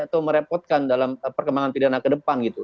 atau merepotkan dalam perkembangan pidana ke depan gitu